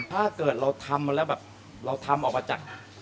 พวกเกิดเราทำนะเราทำมาออกมาจาก